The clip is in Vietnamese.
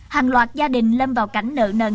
hàng loạt gia đình lên vào cảnh nợ nợn